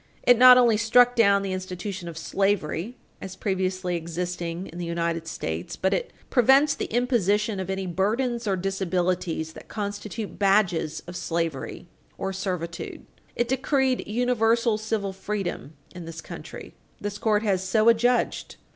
It not only struck down the institution of slavery as previously existing in the United States, but it prevents the imposition of any burdens or disabilities that constitute badges of slavery or servitude. It decreed universal civil freedom in this country. This court has so adjudged.